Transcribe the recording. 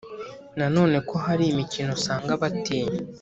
na none ko hari imikino usanga batinya